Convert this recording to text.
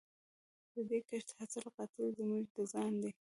د دې کښت حاصل قاتل زموږ د ځان دی